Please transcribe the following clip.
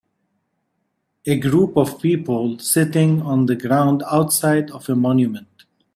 a group of people sitting on the ground outside of a monument.